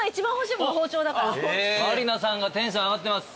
満里奈さんがテンション上がってます。